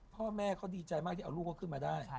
พ่อแม่เขาดีใจมากที่เอาลูกเขาขึ้นมาได้